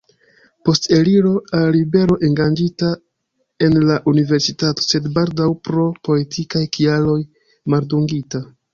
Post eliro al libero engaĝita en la Universitato, sed baldaŭ pro politikaj kialoj maldungita.